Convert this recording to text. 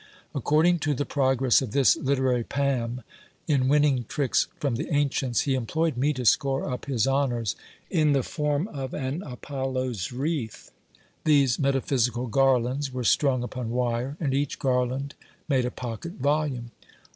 According to the progress of this literary Pam, in winning tricks from the ancients, he employed me to score up his honours in the form of an Apollo's wreath: these metaphysical garlands were strung upon wire, and each garland made a pocket volume.